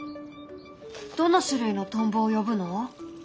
どの種類のトンボを呼ぶの？